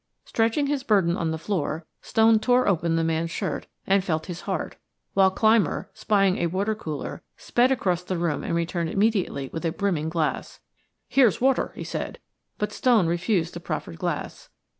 Stretching his burden on the floor, Stone tore open the man's shirt and felt his heart, while Clymer, spying a water cooler, sped across the room and returned immediately with a brimming glass. "Here's water," he said, but Stone refused the proffered glass.